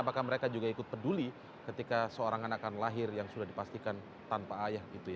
apakah mereka juga ikut peduli ketika seorang anakan lahir yang sudah dipastikan tanpa ayah